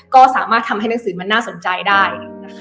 ก็สามารถทำให้หนังสือมันน่าสนใจได้นะคะ